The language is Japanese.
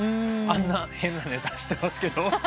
あんな変なネタしてますけど。